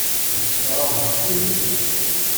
Msekṛahen s tidet.